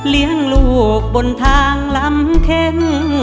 เลี้ยงลูกบนทางลำเข้ง